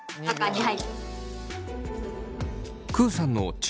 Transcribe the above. はい！